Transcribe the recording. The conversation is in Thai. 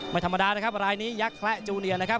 ไม่ธรรมดานะครับรายนี้ยักษระจูเนียนะครับ